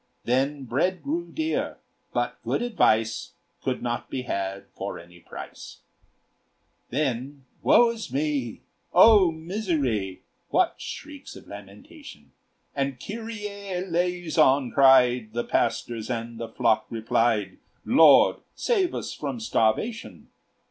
Then bread grew dear, but good advice Could not be had for any price. Then, "Woe is me!" "O misery!" What shrieks of lamentation! And "Kyrie Eleison!" cried The pastors, and the flock replied, "Lord! save us from starvation!"